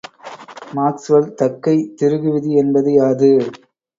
Maxwell தக்கைத் திருகுவிதி என்பது யாது?